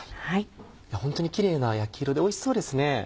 ホントにキレイな焼き色でおいしそうですね。